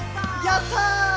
やった！